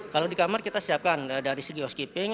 kalau di kamar kita siapkan dari segi oskeeping